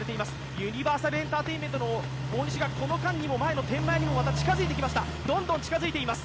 ユニバーサルエンターテインメントの選手がこの間にも前の天満屋にもどんどん近づいています。